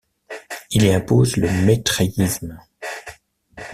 Il y impose le maitreyisme.